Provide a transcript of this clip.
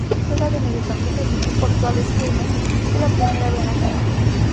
Juega de mediocampista y su equipo actual es Quilmes, de la Primera B Nacional.